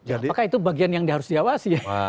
apakah itu bagian yang harus diawasi